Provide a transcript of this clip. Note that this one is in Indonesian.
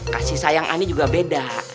kasih sayang ani juga beda